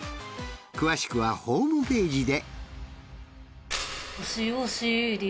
詳しくはホームページで。